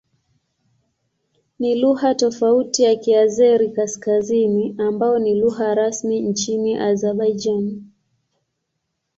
Ni lugha tofauti na Kiazeri-Kaskazini ambayo ni lugha rasmi nchini Azerbaijan.